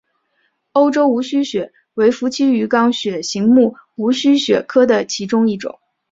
欧洲无须鳕为辐鳍鱼纲鳕形目无须鳕科的其中一种。